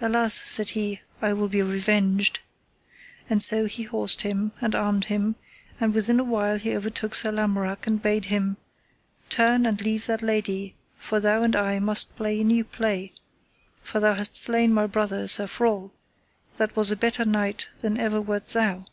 Alas, said he, I will be revenged. And so he horsed him, and armed him, and within a while he overtook Sir Lamorak, and bade him: Turn and leave that lady, for thou and I must play a new play; for thou hast slain my brother Sir Frol, that was a better knight than ever wert thou.